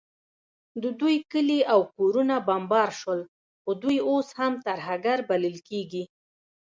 د دوی کلي او کورونه بمبار سول، خو دوی اوس هم ترهګر بلل کیږي